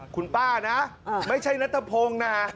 คุณป้านะไม่ใช่นัทพงศ์นะ